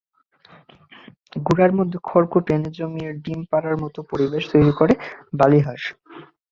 গুঁড়ার মধ্যে খড়কুটো এনে জমিয়ে ডিম পাড়ার মতো পরিবেশ তৈরি করে বালিহাঁস।